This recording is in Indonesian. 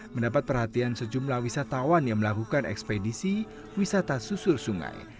mendapat perhatian sejumlah wisatawan yang melakukan ekspedisi wisata susur sungai